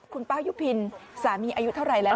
คุณป้ายุพินสามีอายุเท่าไหร่แล้ว